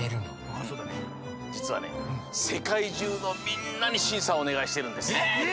あそうだね。じつはねせかいじゅうのみんなにしんさをおねがいしてるんです。え！え！